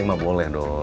nggak boleh kebanyakan ya